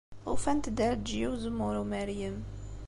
Ufant-d Ɛelǧiya n Uzemmur Umeryem.